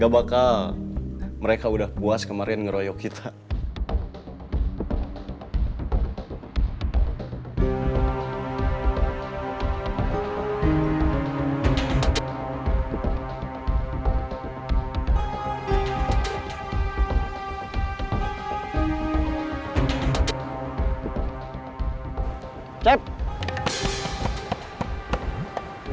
berfungsifnya sama kecocokan